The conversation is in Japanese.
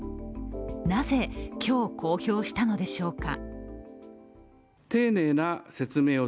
なぜ今日、公表したのでしょうか。